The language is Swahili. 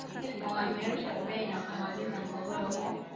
ili kuimarisha bei na kumaliza mgogoro huo